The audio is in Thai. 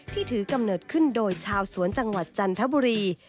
ที่ถือกำเนิดขึ้นโดยชาวสวนจังหวัดจันทบุรี